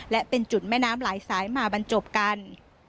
และเป็นจุดแม่น้ำหลายสายมาบรรจบกัน